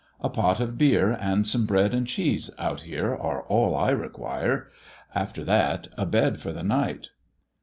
A pot of beer and some bread and cheese out here are all I require. After that a bed for the nighrt."